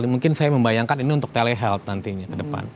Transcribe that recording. mungkin saya membayangkan ini untuk telehealth nantinya ke depan